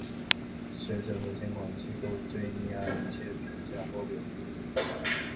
学者和监管机构对逆按揭评价褒贬不一。